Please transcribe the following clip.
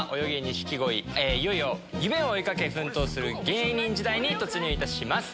いよいよ夢を追い掛け奮闘する芸人時代に突入いたします。